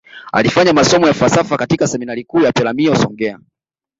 Alifanya masomo ya falsafa katika seminari kuu ya peremiho songea